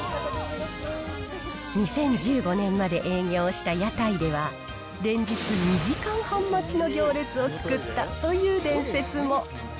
２０１５年まで営業した屋台では、連日、２時間半待ちの行列を作ったという伝説も。